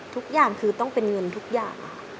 ทุกอย่างคือต้องเป็นเงินทุกอย่าง